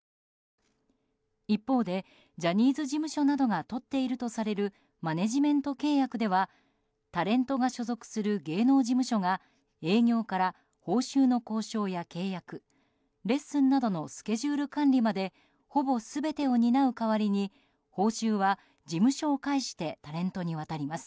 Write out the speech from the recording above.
一方でジャニーズ事務所などが取っているとされるマネジメント契約ではタレントが所属する芸能事務所が営業から報酬の交渉や契約レッスンなどのスケジュール管理までほぼ全てを担う代わりに、報酬は事務所を介してタレントに渡ります。